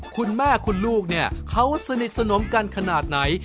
คุณแม่คุณลูกเนี่ยเขาสนิทสนมกันขนาดไหน